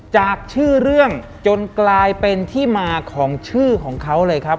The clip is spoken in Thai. จากชื่อเรื่องจนกลายเป็นที่มาของชื่อของเขาเลยครับ